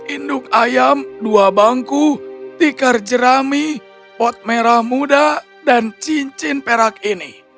induk ayam dua bangku tikar jerami pot merah muda dan cincin perak ini